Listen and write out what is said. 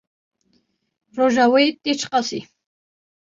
Roja wê tê çi qasî?